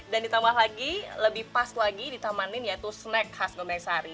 dan ditambah lagi lebih pas lagi ditamanin yaitu snack khas gomeng sari